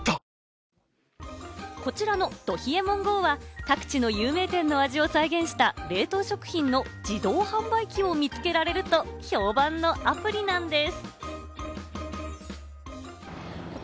こちらの「ど冷えもんＧＯ」は各地の有名店の味を再現した冷凍食品の自動販売機を見つけられると評判のアプリなんです。